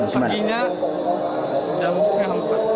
pakinya jam setengah empat